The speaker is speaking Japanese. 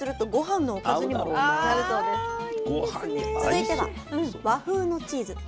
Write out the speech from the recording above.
続いては「和風」のチーズ。